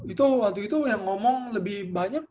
itu waktu itu yang ngomong lebih banyak